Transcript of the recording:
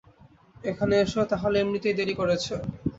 এখানে আসো তাহলে, এমনিতেই দেরি করেছো।